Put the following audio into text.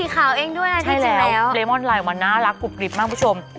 ขาวเองด้วยนะที่จริงแล้วใช่แล้วมันน่ารักกลุบกลิบมากผู้ชม